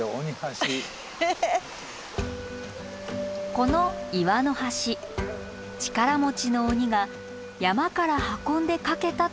この岩の橋力持ちの鬼が山から運んで架けたという伝説があるんです。